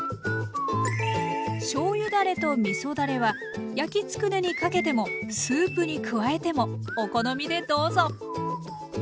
しょうゆだれとみそだれは焼きつくねにかけてもスープに加えてもお好みでどうぞ。